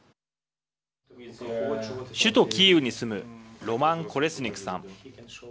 首都キーウに住むロマン・コレスニクさん。